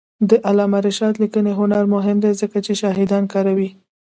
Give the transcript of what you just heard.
د علامه رشاد لیکنی هنر مهم دی ځکه چې شاهدان کاروي.